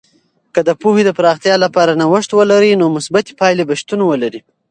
که د پوهې د پراختیا لپاره نوښت ولرئ، نو مثبتې پایلې به شتون ولري.